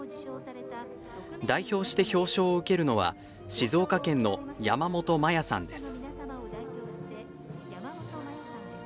代表して表彰を受けるのは静岡県の山本真矢さんです。